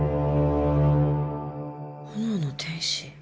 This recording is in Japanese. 炎の天使？